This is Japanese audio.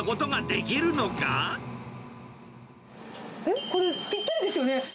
えっ、これ、ぴったりですよ